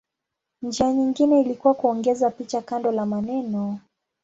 Njia nyingine ilikuwa kuongeza picha kando la maneno.